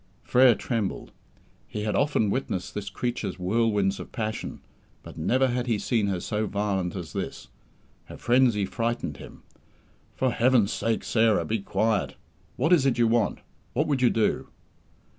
Frere trembled. He had often witnessed this creature's whirlwinds of passion, but never had he seen her so violent as this. Her frenzy frightened him. "For Heaven's sake, Sarah, be quiet. What is it you want? What would you do?"